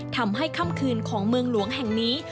ค่ำคืนของเมืองหลวงแห่งนี้